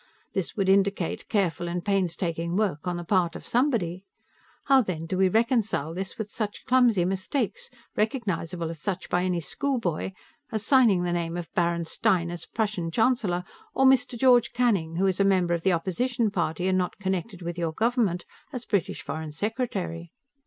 This would indicate careful and painstaking work on the part of somebody; how, then, do we reconcile this with such clumsy mistakes, recognizable as such by any schoolboy, as signing the name of Baron Stein as Prussian Chancellor, or Mr. George Canning, who is a member of the opposition party and not connected with your government, as British Foreign secretary.